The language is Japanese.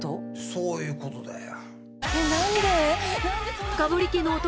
そういうことだよ。